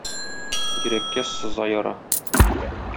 Йөрәккә сыза яра.